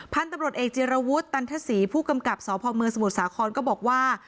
พันธุ์ตำรวจเอกจิรวุฒิตันทศรีผู้กำกับสพเมืองสมุทรสาครก็บอกว่า